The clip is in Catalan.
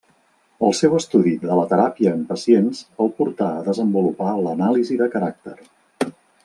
El seu estudi de la teràpia en pacients el portà a desenvolupar l'anàlisi de caràcter.